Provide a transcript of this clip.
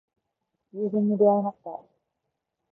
友人に出会いました。